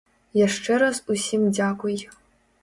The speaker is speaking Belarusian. Яшчэ раз усім дзякуй.